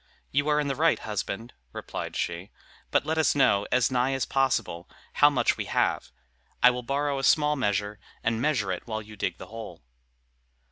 "You are in the right, husband," replied she; "but let us know, as nigh as possible, how much we have. I will borrow a small measure, and measure it while you dig the hole."